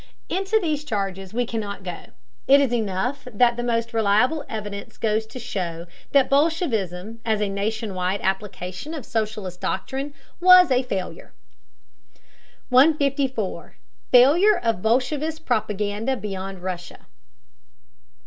Into these charges we cannot go; it is enough that the most reliable evidence goes to show that bolshevism, as a nation wide application of socialist doctrine, was a failure. 154. FAILURE OF BOLSHEVIST PROPAGANDA BEYOND RUSSIA.